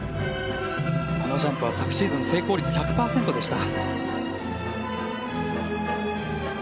このジャンプは昨シーズン成功率１００％でした。